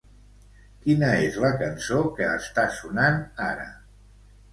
Quina és la cançó que està sonant ara?